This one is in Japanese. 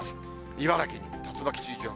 茨城に竜巻注意情報。